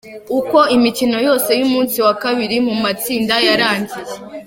Uko imikino yose y’umunsi wa kabiri mu matsinda yarangiye:.